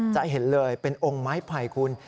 จะเห็นเลยเป็นองค์ไม้ไผ่คุณ